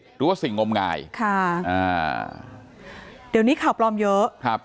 หรือว่าสิ่งงมงายค่ะอ่าเดี๋ยวนี้ข่าวปลอมเยอะครับ